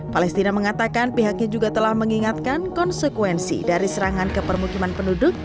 palestina mengatakan pihaknya juga telah mengingatkan konsekuensi dari serangan ke permukiman penduduk